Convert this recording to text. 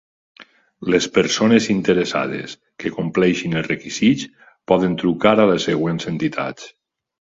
Les persones interessades que compleixin els requisits, poden trucar a les següents entitats.